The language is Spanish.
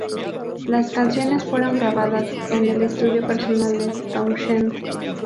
Las canciones fueron grabadas en el estudio personal de Townshend.